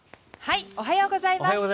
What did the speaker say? おはようございます。